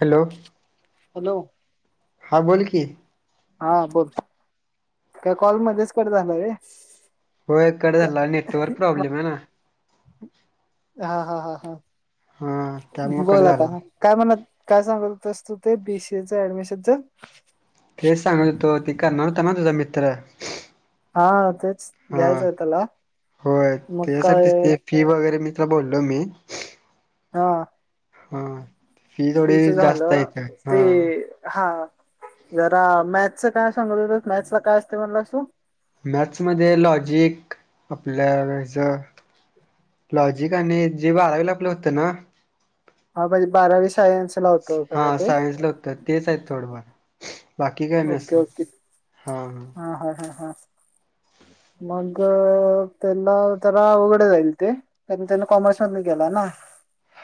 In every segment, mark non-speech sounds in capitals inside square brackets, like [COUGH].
Hello. Hello. हां बोल की. हा बोल का कॉल मध्येच कर झालं रे. हो एक कडे झाला नेटवर्क प्रॉब्लम आहे ना. हा हा हा हा हा त्यामुळे कट बोल आता. झाला काय मला काय सांगल असतो ते बीसीएच ऍडमिशनच. तेच सांग तो ती करणार होता. ना तुझा मित्र. हा तेच हा घ्यायचंय त्याला होय मग त्याच्यासाठीच काय. ते फी वगैरे मी बोललो मी. हा. हम. फ्रीच झालं ते हा. जरा मॅथच काय सांग मॅथस ला काय असते म्हणला तू. मॅथ मध्ये लॉजिक आपल्याचं. लॉजिक आणि जे बारावी ला आपलं होतं. ना. हा म्हणजे बारावी सायन्स लावतो खरव ते होतात. तेच आहेत थडंफार. ओके ओके हा हा हा हा हा. मग त्याला जरा उघड जाईल ते. त्या त्यांन कॉमर्स मध गेला ना.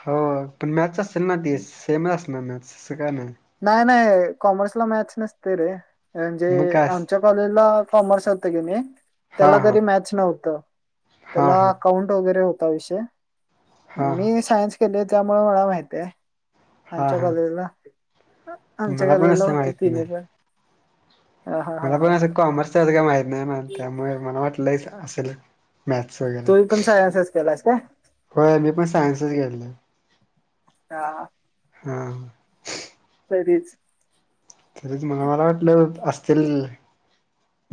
हो पण मॅथ्स असेल ना त सेम अस ना मॅथ्स असं का नाही. नाही नाही कॉमर्सला मॅथस नसते. रे म्हणजे मग काय अस आमच्या कॉलेजला कॉमर्स होत की त्याला हां, हां. तरी मॅथस नव्हत. हां, त्याला हां. अकाउंट वगैरे होता विषय हां, मी हां. सायन्स केले त्यामुळे मला माहती आहे. हां, आमच्या हां. कॉलेजला आमच्या मला पण कॉलेजला असं होत माहीत नाही. तिने पण. हा हा हा मला पण हा असं कॉमर्सच असं काय माहीत नाही त्यामुळे मला वाटलं असेल. मॅथ्स वगैरे तू पण सायन्सच केलास काय होय मी पण सायन्सच घेले. हा. हा. तरीच. तरीच मला मला वाटलं असतील.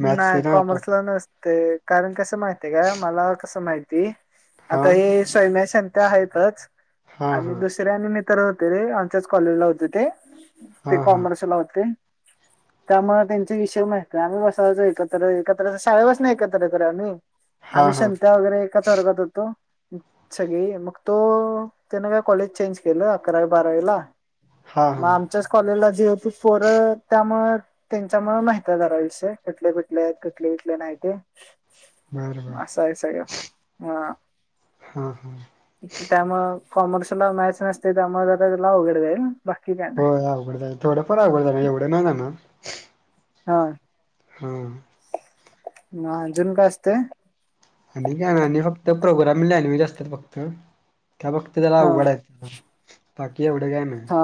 मॅथ्सचे नाही ना कॉमर्स टॉपिक. ला नसते कारण कसं माहितय का मला कसं माहिती. आता हां. हे स्ैम्या संत्या आहेतच हां, आणि हां. दुस आणि मी तर्र होते रे आमच्याच कॉलेज ला होते ते हां, हां. कॉमर्स ला होते. त्यामुळे त्यांचा विषय माम् एकत्र एकत्र शाळे बस नाही एकत्र कर आम्ही हां, आम्ही हां. स्या वगैरे. वर्गात होतो सगळी मग तो त्याने का कॉलेज चेंज केलं अकरावी बारावीला हां, हां. मम [INAUDIBLE] कॉलेजला जे होत पोर त्यामुळे त्यांच्यामुळे माहती जराविषय कुठले कुठले आहेत कुठले कुठले नाही ते बरं, बरं. असं आहे सगळं ह हा हा त्यामुळे कॉमर्सला मॅथस नसते त्यामुळे आता त्याला वघड जाईल बाकी काय नाही होय अवघड जा थोडंफार अवघड जाण एवढं नाही जाण हा हम हजुून काय असते आणि आणि फक्त प्रोग्राम लॅन्वेज असतात फक्त त्या फक्त त्याला हा अवघड आहेच बाकी एवढे का हा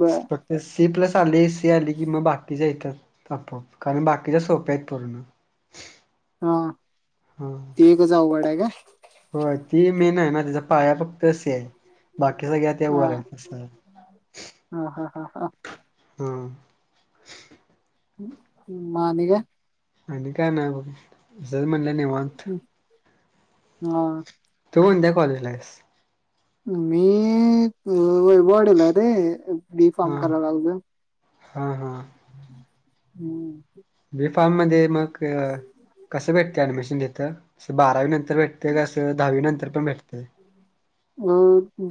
बर सी प्लस आली ए सी आली की मग बाकीच्या येतात त कारण बाकीच्या सोप्या आहेत पूर्ण हा हम क जाऊघडाय काय हो ती मी आहे मझ त्याचा पाया फक्त असे आहे बाकी सगळ्या तेव हा आहेतस हा हा हा हा हम् ् मा निग आणि काय ना जल म्हणलं निवत हा तू म्हण द्या कॉलेजलास मी वैभडल रे डी फारम हा कराय लागलो हा हम हम्म बी फार्म मध्ये मग कसं भेटते ऍडमिशन देत असं बारावी नंतर भेटते तेसं दहावी नंतर पण भेटतं अ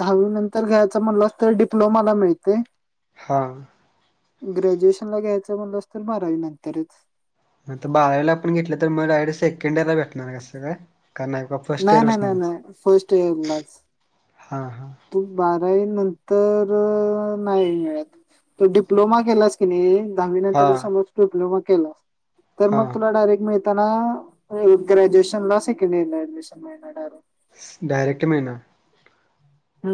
दहावी नंतर घ्यायच म्हणलं तर डिप्लोमाला मिळते हां ग्रॅज्युएशन ला घ्यायचं म्हणलं अस तर मारावी नंतरच मग बारावीला आपण घेतलं तर मगयडी सेकंड एरला भेटणार कसं काय का नाही का फर्स्ट इयर बस नाही फस्ट येला हा हा तु बारावी नंतर नाही मिळत तो डिप्लोमा केलास कानी दहावी नंतर हां समज डिप्लोमा केला तर मग हां तुला डायरेक्ट मा त ग्रॅज्युएशन ला सेकंड इयर ल ऍडमिशन माड [INAUDIBLE] डायरेक्ट मही हा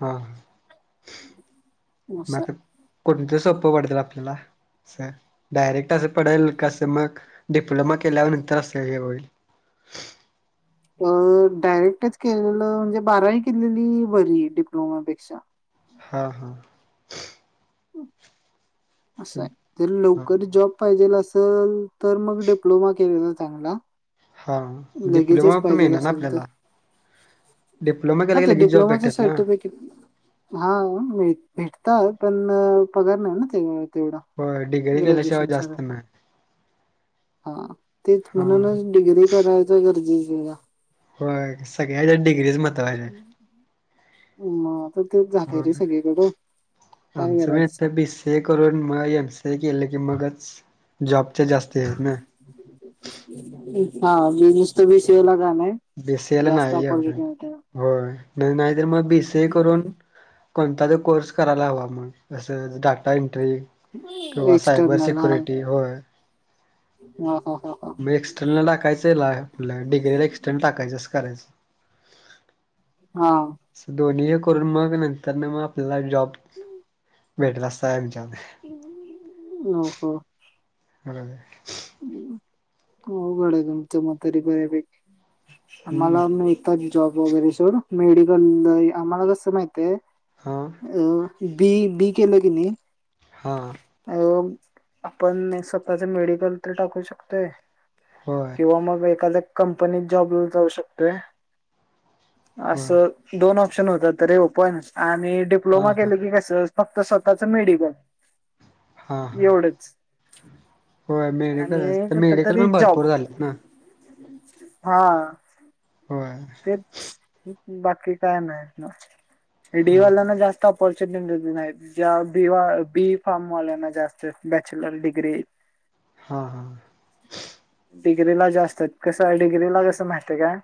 हा असं मत कोणतं सोपं पडतील आपल्याला सर डायरेक्ट असं पडेल कसं मग डिप्लोमा केल्यानंतर असं हे होईल अ डायरेक्टच केलेलं म्हणजे बारावी केलेली बरी डिप्लोमापेक्षा हा हा [UNINTELLIGIBLE] असं आहे जर हां लवकर जॉब पाहिजेल असल तर मग डिप्लोमा केलेला चांगला हां लगेचच डिप्लोमा पण पाहिजे मिळणार ना असेल तर आपल्याला डिप्लोमा केला ह की ते लगेच जॉब डिप्लोमाचे भेटेल ना सर्टिफिकेट हा भेटत पण पगार नाही ना ते तेवढा. होय डिग्री केल्याशिवाय ग्रॅजुएशन जास्त सारख नाही हा तेच हां म्हणूनच डिग्री कराय गर्जची होय सगळ्या हिज्यात डिग्रीच महत्त्वाची हाय. हम्म तेच झालंय रे सगळीकडं, काय करायच सांग. ते करून म एम सी ए केलं की मगच जॉबचे जास्त आहेत ना. हा बी नुसत बी सि एयला झाल्य. बी सीए ला नाही एवढ हो नाही नाही तर मग बी सीए करून कोणता तर कोर्स करायला हवा म अस डाटा एंटरी. किंवा सायबर एक्सटर्नल हा सिक्युरिटी होय. [UNINTELLIGIBLE] म एक्सटर्नल टाकायंय हेला डिग्रीला तेन टाकायच असं करायच. हा. दोन्ही हे करून मग नंतर न मग आपल्याला जॉब, भेटला असतय यांच्यात. हम हम्म. [UNINTELLIGIBLE] हो [UNINTELLIGIBLE] मतरी बऱ्यापैकी आ हम्म मला जॉब वगैरे सोड मेडिकल आम्हाला कसं माहित आहे हा अ बी बी केलं की नाय हा. [UNINTELLIGIBLE] आपण स्वतःच मेडिकल तर टाकु शकतोय. होय. किंवा मग एखाद्या कंपनीत जॉबला जाऊ शकतोय, होय असं दोन ऑप्शन होतात रे ओपण आणि हा डिप्लोमा हा केलं की कसं फक्त स्वतःच मेडिकल. हा, एवढंच होय आणि मेडिकल, कुठ मेडिकल तरी पण जॉब भरपूर झालेत ना. हा. होय. तेच बाकी काय नाही ना हा डीवायला ना जास्त ऑपॉर्च्युनिटी नाही ज्या बी फॉ्म वाल्याना जास्त बॅचलर डिग्री. [UNINTELLIGIBLE] हा हा. डिग्रीला जास्त आहेत कसं डिग्रीला कसं माहितय का?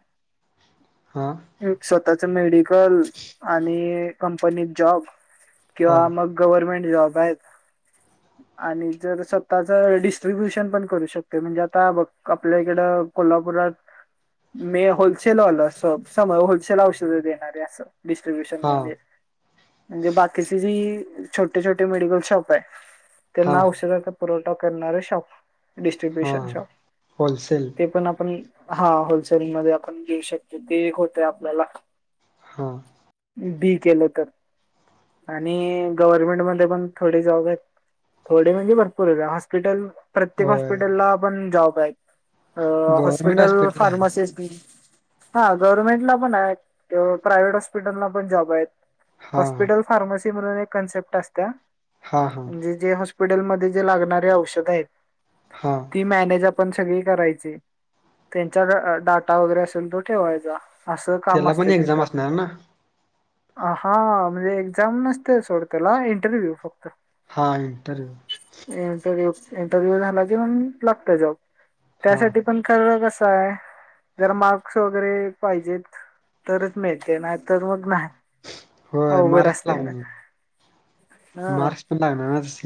हां. स्वतःच मेडिकल आणि कंपनीत जॉब हा किंवा मग गव्हर्मेंट जॉब हायत. आणि जर स्वतःच डिस्ट्रीब्युशन पण करू शकतोय म्हणजे आता बघ आपल्या इकडं कोल्हापुरात, मे होल [UNINTELLIGIBLE] होलसेल औषध देणारे अस डिस्ट्र्रीब्युशन हा म्हणजे. म्हणजे बाकीची जी छोटे छोटे मेडिकल शॉप आहे, हा त्यांना औषधाचा पुरवठा करणारे शॉप, हा डिस्ट्र्रीब्युशन शॉप, होलसेल ते पण आपण हा होलसेल मध्ये आपण देेऊ शकतो ते एक होतय आपल्याला. हा. बी केलं तर. आणि गव्हर्नमेंटमध्ये पण थोडे जॉब आहेत. थोडे म्हणजे भरपूर हॉस्पिटल प्रत्येक होय हॉस्पिटलला पण जॉब आहेत. अ गव्हर्मेंट हॉस्पिटल आहे फार्मसी अस बि. हा गव्हर्नमेंटला पण आहे, प्रायव्हेट हॉस्पिटलला पण जॉब आहेत. हा हॉस्पिटल फार्मसी म्हणून एक कन्सेप्ट असतया, हा हा म्हणजे जे हॉस्पिटल मध्ये जे लागणारे औषध आहेत, हा ती मॅनेज आपण पण सगळी करायची त्यांचा डाटा वगैरे असेल तो ठेवायचा. असं काम त्याला पण असतं एक्झाम तिथं. असणार ना हा म्हणजे एक्झाम नसते सोड त्याला इंटरव्ह्यू फक्त हां इंटरव्ह्यू इंटरव्ह्यू इंटरव्ह्यू झाला किंवा लागत जॉब हा त्यासाठी पण कर कस आहे जर मग वगैरे पाहिजेत तरच मिळते ना तर मग नाही होय अवघड मार्क्स असते न लागणार हं प लगणारच अस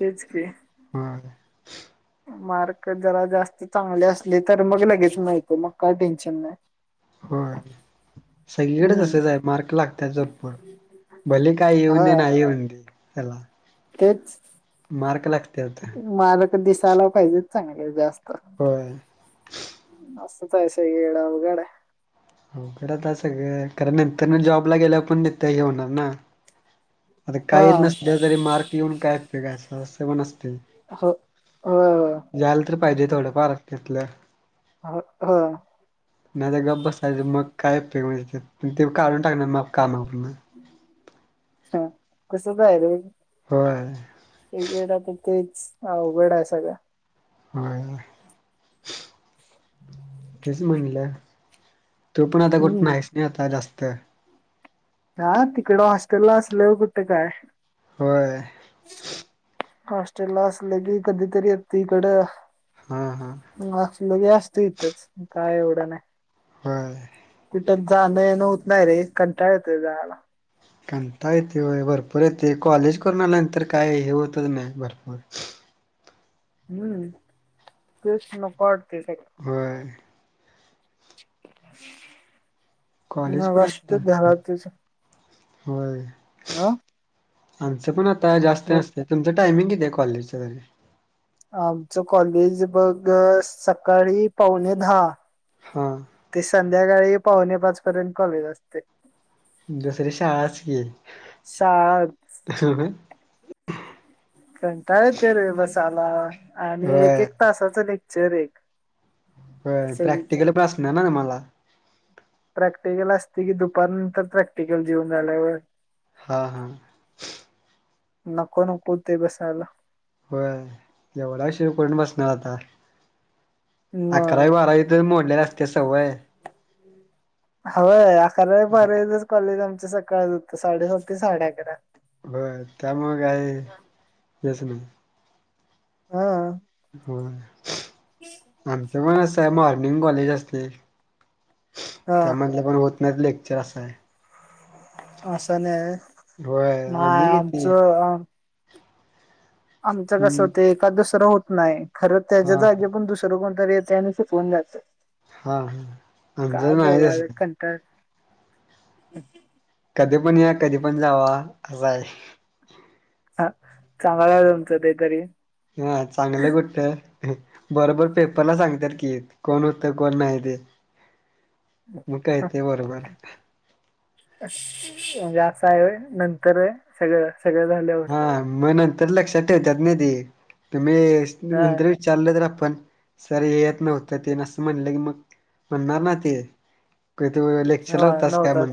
कचप [INAUDIBLE] हो. मार्क जरा जास्त चांगले असले तर मग लगेच मा तो मग काय टेन्शन नाही. हो सगळीकडे हम्म असंच आहे मार्क लागत जरपर भले काय येऊन दे हा नाही येऊन दे. खला तेच मार्क लागते आता. मारक दिसायला पाहिजे चांगले जास्त होय. असस् तयष ग उगडे [INAUDIBLE] हो खरं आ सगळं कारण नंतर ना जॉबला गेल्या पण तथे घेऊणार ना आता काही नस हा तरी मार्क येऊन काय फेकाय असं असं पण नसते. हो हो हो जाला तर पाहिजे थोडं फार घेतलं ह हा नाही तर गप् बससायचं मग काय पेक म्ह ते काढून टाकणार मग कामाग हा कस काय र होय. तिकेड तर तेच हा अवघड आहे सगळं हो हेच म्हणलं तू पण आता कुठ हम्म नाहीस नाही आता जास्त ह तिकड हॉस्टेल ला असलं कुठे काय होय. हॉस्टेल ला असलं की कधीतरी य त इकड अ हां हां लोे असत इथंच काय एवढं नाही. होय. जाणं येणं होत नाही रे कंटाळ येत जायला. कता येते वय भरपूर येते कॉलेज करून आल्यानंतर काय हे होतच नाही भरपूर हम्म प्रश्न पडतोय सगळा होय. कॉलेज ना पण वास तर आता झाला त्याच होय. ह आमचं पण आता जास्त नसत तुमच टायमिंग किती आहे कॉलेजच्या तरी आमचं कॉलेज बघ सकाळी पावणे दहा हा ते संध्याकाळी पावणे पाच पर्यंत कॉलेज असते. दुसरी शाळाच की शाळा कंटाळ तर र बसा आला आणि एक होय एक तासाच लेक्चर एक असं प्रॅक्टिकल पण असणार ना मला प्रॅक्टिकल असते की दुपारनंतर प्रॅक्टिकल जेवून झाल्यावर हां हां नको नको ते बसायला हो जवढशीि कोण बसणार आता मग अकरा बारा मोडले रस्ते सवय हय अकरा बारजच कॉलेज आमच्या सकाळ होतं साडेसात ते साडे अकरा हो त्यामु काय हेच नाही हा हो आमच पण अस आहे मर्निंग कॉलेज असते हा त्यामधलं पण होत नाही लेक्चर असं आहे असं नाही होय ना आम्ही किती आमचं आमचं कसं हम्म होते एखादसरं होत नाही खरं त्याच्या हा जागे पण दुस को य शिकून जात हा हा आमच्या माहीचच तर कधी पण या कधी पण जावा असं आहे ह चांगला झा तुमचं ते तरी हा चांगलं गोष्ट बरोबर पेपरला सांगत की कोण होतं कोण नाही ते मग काय ते बरोबर म्हणजे असं आहे नंतर आहे सगळ सगळं झाल्यावर ह म तलक्ष ठेवतत नाही ती मी हा विचारलं तर आपण सर येत नव्हत ते असं म्हणलं की मग म्हणणार ना ते क ते लेक्चर हा लावतास काय नव्हतात म्हण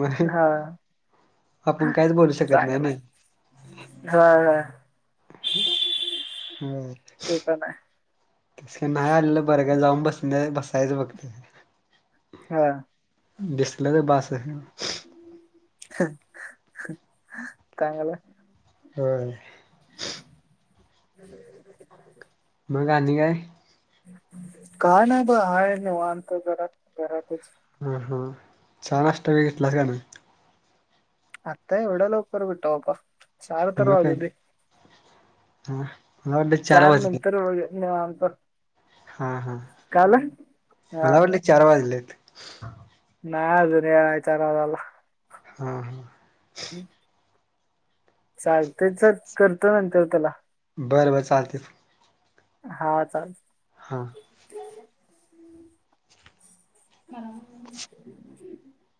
म हा आपण कायच बोलू शकत नाही चांगलं नाही हा हा होय ते पण आहे तस का नाही आलेलं बरं काय जाऊन बस बसायचं बघते हा बस्ले तर बास चांगला हम हम् मग गांध का आहे काय ना ब हाय वानत जरा जराातच ह चहा नास्टा वेगितला का नाही आता एवढ लोक कररबटवप सार मग काय तरवागदी हा मला वाटलं चार वाजले नंतर वमंत हा हा हा मला वाटले चार वाजलेत ना अज नयचारवला हम हम चालतेच करतो नंतर त्याला बरं बरं चालते हा चाल हां बरोर [INAUDIBLE]